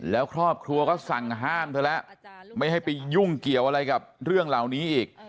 แล้วครอบครัวก็สั่งห้ามเธอแล้วไม่ให้ไปยุ่งเกี่ยวอะไรกับเรื่องเหล่านี้อีก